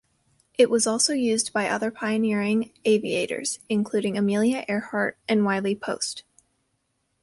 It was also used by other pioneering aviators, including Amelia Earhart and Wiley Post.